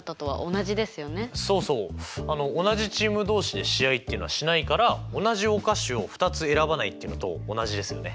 そうそう同じチーム同士で試合っていうのはしないから同じお菓子を２つ選ばないっていうのと同じですよね。